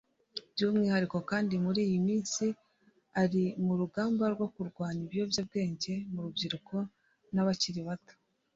by’umwihariko kandi muri iyi minsi ari mu rugamba rwo kurwanya ibiyobyabwenge mu rubyiruko n’abakiri bato